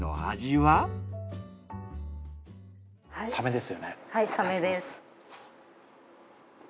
はいサメです。